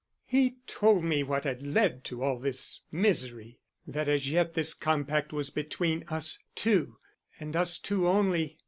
"He told me what had led to all this misery. That as yet this compact was between us two, and us two only.